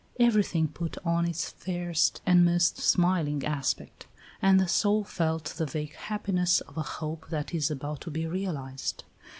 Everything put on its fairest and most smiling aspect, and the soul felt the vague happiness of a hope that is about to be realized.